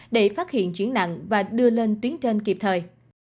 để phát hiện chuyển nặng và đưa lên tuyến trên kịp thời